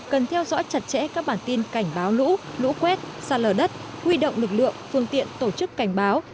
cần theo dõi chặt chẽ các bản tin cảnh báo lũ lũ quét xa lở đất huy động lực lượng phương tiện tổ chức cảnh báo